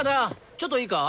ちょっといいか？